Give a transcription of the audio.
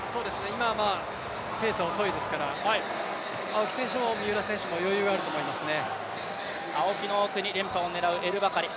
今、ペースは遅いですから青木選手も三浦選手も余裕があると思いますね。